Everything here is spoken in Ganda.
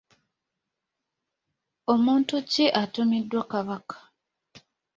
Omuntu ki atumiddwa Kabaka?